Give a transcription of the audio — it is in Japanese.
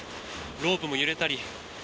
ロープも揺れたり。